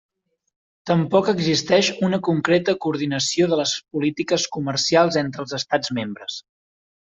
Tampoc existeix una concreta coordinació de les polítiques comercials entre els Estats membres.